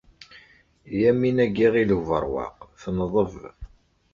Yamina n Yiɣil Ubeṛwaq tenḍeb.